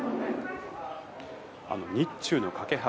日中の架け橋。